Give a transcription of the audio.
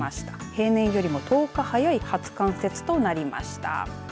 平年よりも１０日早い初冠雪となりました。